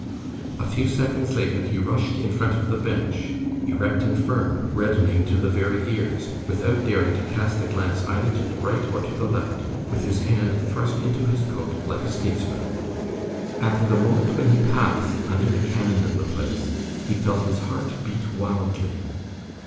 A few seconds later, he rushed in front of the bench, erect and firm, reddening to the very ears, without daring to cast a glance either to the right or to the left, with his hand thrust into his coat like a statesman. At the moment when he passed,—under the cannon of the place,—he felt his heart beat wildly.